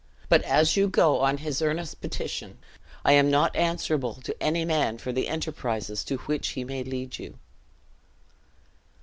But as you go on his earnest petition, I am not answerable to any man for the enterprises to which he may lead you."